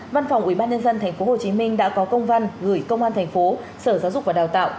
văn phòng ubnd tp hcm đã có công văn gửi công an tp sở giáo dục và đào tạo